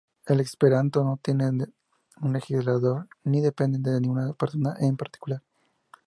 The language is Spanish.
El esperanto no tiene un legislador ni depende de ninguna persona en particular.